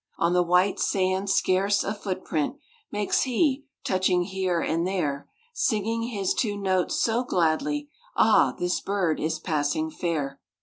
On the white sand scarce a footprint Makes he, touching here and there; Singing his two notes so gladly, Ah, this bird is passing fair!